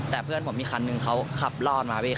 แต่เพื่อนผมมีคันหนึ่งเขาขับรอดมาเว้ย